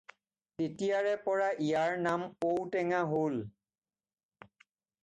তেতিয়াৰ পৰা ইয়াৰ নাম ঔ টেঙা হ'ল।